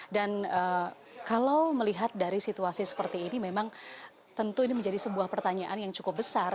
dan kalau melihat dari situasi seperti ini memang tentu ini menjadi sebuah pertanyaan yang cukup besar